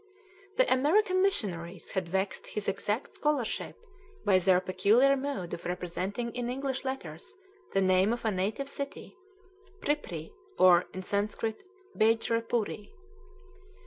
The American missionaries had vexed his exact scholarship by their peculiar mode of representing in English letters the name of a native city (Prippri, or in Sanskrit Bejrepuri).